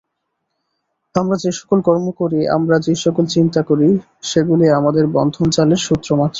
আমরা যে-সকল কর্ম করি, আমরা যে-সকল চিন্তা করি, সেগুলি আমাদের বন্ধনজালের সূত্রমাত্র।